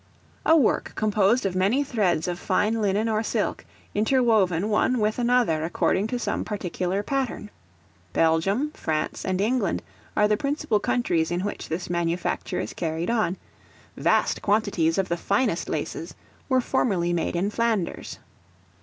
A work composed of many threads of fine linen or silk, interwoven one with another according to some particular pattern. Belgium, France, and England are the principal countries in which this manufacture is carried on; vast quantities of the finest laces were formerly made in Flanders.